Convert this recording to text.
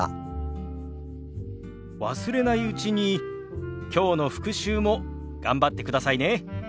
忘れないうちにきょうの復習も頑張ってくださいね。